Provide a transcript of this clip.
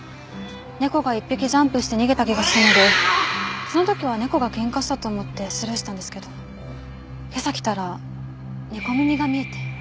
猫が１匹ジャンプして逃げた気がしたのでその時は猫が喧嘩したと思ってスルーしたんですけど今朝来たら猫耳が見えて。